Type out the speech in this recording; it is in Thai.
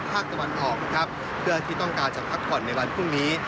ภาคตะวันออกนะครับเพื่อที่ต้องการจะพักผ่อนในวันพรุ่งนี้